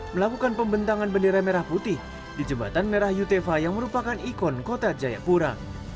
melakukan pembentangan bendera merah putih di jembatan merah yutefa yang merupakan ikon kota jayapura